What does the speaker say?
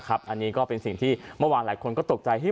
อันนี้ก็เป็นสิ่งที่เมื่อวานหลายคนก็ตกใจ